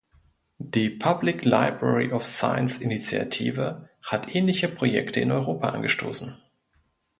Die Public-Library-of-Science-Initiative hat ähnliche Projekte in Europa angestoßen.